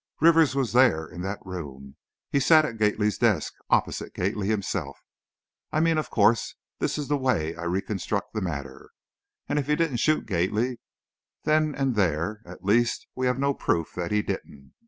Rivers was there, in that room, he sat at Gately's desk, opposite Gately himself, I mean, of course, this is the way I reconstruct the matter, and if he didn't shoot Gately then and there, at least, we have no proof that he didn't."